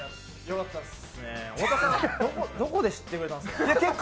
太田さん、どこで知ってくれたんですか。